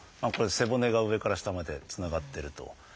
これ背骨が上から下までつながってると。